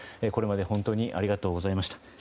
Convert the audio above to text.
これまで本当にありがとうございました。